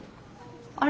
あれ？